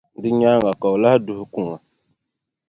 Di nyaaŋa ka o lahi duhi kuŋa.